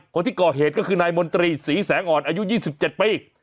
คนที่ก่อเหตุก็คือนายมนตรีศรีแสงอ่อนอายุ๒๗ปี